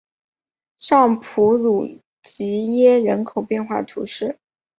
尚普鲁吉耶人口变化图示